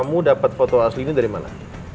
kamu dapat foto aslinya dari mana